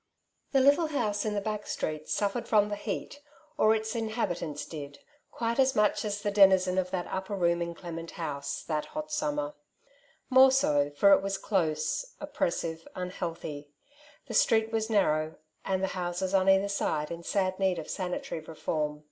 The little house in the back street suffered from the heat^ or its inhabitants did^ quite as much as the denizen of that upper room in Clement House that hot summer ; more so, for it was close, oppressive, unhealthy ; the street was narrow, and the houses on either hand in sad need of sanitary reform.